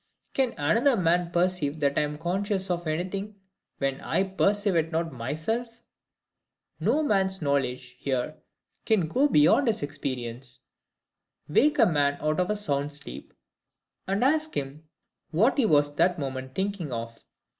Can another man perceive that I am conscious of anything, when I perceive it not myself? No man's knowledge here can go beyond his experience. Wake a man out of a sound sleep, and ask him what he was that moment thinking of.